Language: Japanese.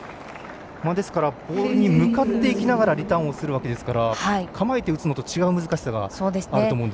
ですからボールに向かっていきながらリターンをするわけですから構えて打つのと違う難しさがあると思うんですけど。